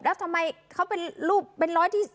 แล้วทำไมเขาเป็นรูปเป็นร้อยที่๓